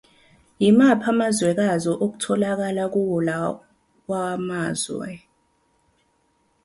Yimaphi amazwekazi okutholakala kuwo lawa mazwe?